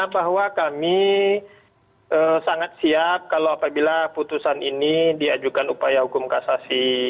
bahwa kami sangat siap kalau apabila putusan ini diajukan upaya hukum kasasi